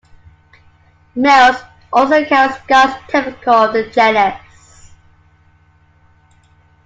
Males also carry scars typical of the genus.